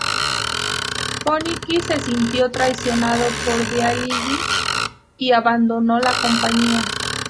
Fokine se sintió traicionado por Diaghilev y abandonó la compañía.